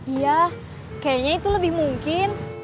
iya kayaknya itu lebih mungkin